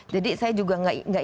jadi saya juga gak ingin